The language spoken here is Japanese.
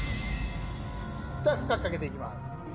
では、深くかけていきます。